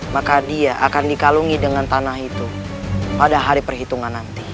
maka dia akan dikalungi dengan tanah itu pada hari perhitungan nanti